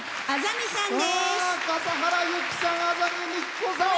あざみさんです。